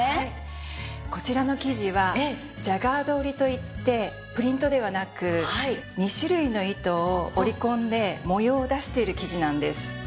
こちらの生地はジャガード織りといってプリントではなく２種類の糸を織り込んで模様を出している生地なんです。